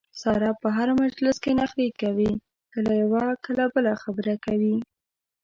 ساره په هر مجلس کې نخرې کوي کله یوه کله بله خبره کوي.